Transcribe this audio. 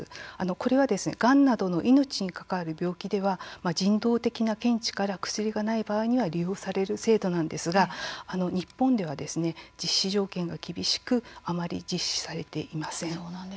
これは、がんなどの命に関わる病気では人道的な見地から薬がない場合に利用される制度ですが日本では実施条件が厳しくあまり実施されていません。